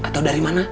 atau dari mana